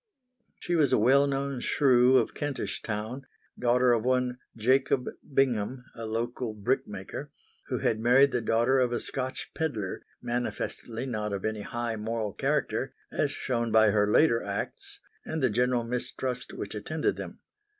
She was a well known shrew of Kentish Town, daughter of one Jacob Bingham, a local brickmaker, who had married the daughter of a Scotch pedlar manifestly not of any high moral character as shown by her later acts and the general mistrust which attended them.